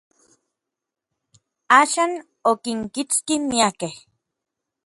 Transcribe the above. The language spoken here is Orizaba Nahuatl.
Axan, okinkitski miakej.